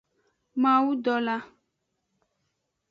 Mawudola.